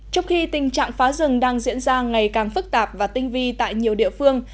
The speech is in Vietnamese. trong khi tình trạng phá rừng đang diễn ra ngày càng phức tạp và tinh vi tại nhiều địa phương